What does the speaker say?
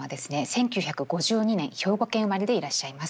１９５２年兵庫県生まれでいらっしゃいます。